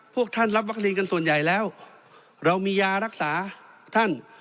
พวกท่านรับวัคซีนกันส่วนใหญ่แล้วเรามียารักษาท่าน